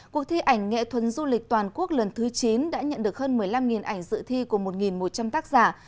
cuộc thi ảnh nghệ thuật du lịch toàn quốc lần thứ chín đã nhận được hơn một mươi năm ảnh dự thi của một một trăm linh tác giả